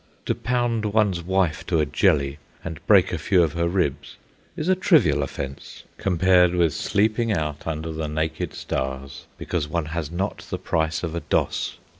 To pound one's wife to a jelly and break a few of her ribs is a trivial offence compared with sleeping out under the naked stars because one has not the price of a doss.